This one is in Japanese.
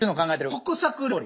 国策料理。